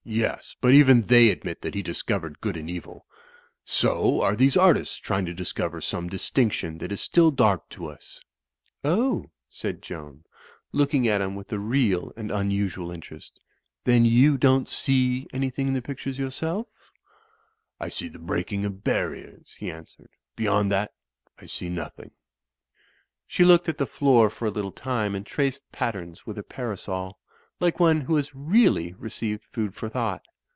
"Yes, but even they admit that he discovered good and evik So are these artists trying to discover some distinction that is still dark to us." "Oh," said Joan, looking at him with a real and Digitized by CjOOQ IC .256 THE FLYING INN unusual interest, "then you don't see an3rthing in Ae pictures, yourself?" "I see the breaking of the barriers,'* he answered, '^beyond that I see nothing/' She looked at the floor for a little time and traced patterns with her parasol, like one who has really re ceived food for thought.